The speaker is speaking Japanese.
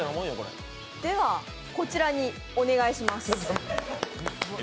では、こちらにお願いします。